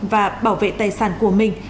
và bảo vệ tài sản của mình